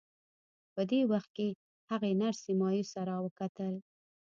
په دې وخت کې هغې نرسې مایوسه را وکتل